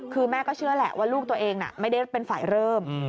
คือแม่ก็เชื่อแหละว่าลูกตัวเองไม่ได้เป็นฝ่ายเริ่ม